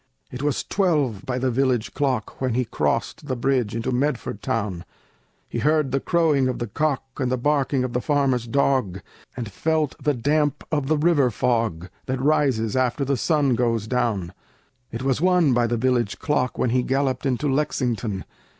It was twelve by the village clock When he crossed the bridge into Medford town. He heard the crowing of the cock, And the barking of the farmer's dog, And felt the damp of the river fog That rises after the sun goes down. It was one by the village clock When he galloped into Lexington.